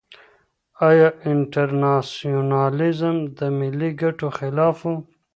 ایا انټرناسيونالېزم د ملي ګټو مخالف و؟